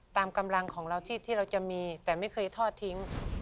ตามกำลังของเราที่เราจะมีแต่ไม่เคยทอดทิ้ง